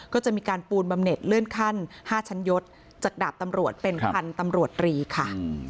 ก็จะมีการปูนบำเน็ตเลื่อนขั้น๕ชั้นยศจากดาบตำรวจเป็นพันธุ์ตำรวจรีค่ะ